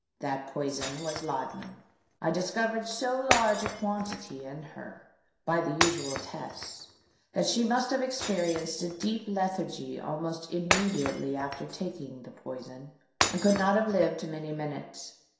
That poison was laudanum. I discovered so large a quantity in her, by the usual tests, that she must have experienced a deep lethargy almost immediately after taking the poison, and could not have lived many minutes.